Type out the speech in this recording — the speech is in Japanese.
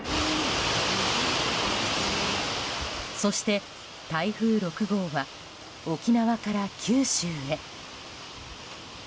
そして、台風６号は沖縄から九州へ。